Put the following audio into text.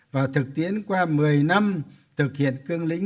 và thực tiễn qua một mươi năm thực hiện cương lĩnh hai nghìn một mươi một